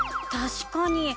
確かに。